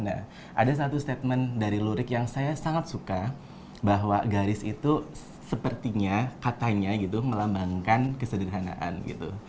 nah ada satu statement dari lurik yang saya sangat suka bahwa garis itu sepertinya katanya gitu melambangkan kesederhanaan gitu